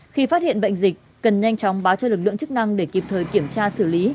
khi phát hiện bệnh dịch cần nhanh chóng báo cho lực lượng chức năng để kịp thời kiểm tra xử lý